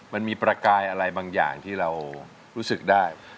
มันมีประกายอะไรบางอย่างที่เรารู้สึกได้